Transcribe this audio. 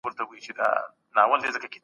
يو جمع درې؛ څلور کېږي.